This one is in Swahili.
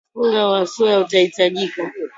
Unga wa soya utahitajika